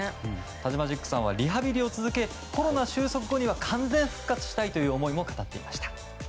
タジマジックさんはリハビリを続けコロナ収束後には完全復活したいという思いも語っていました。